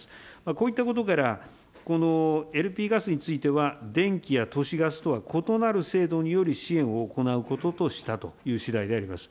こういったことから、このＬＰガスについては、電気や都市ガスとは異なる制度による支援を行うこととしたというしだいであります。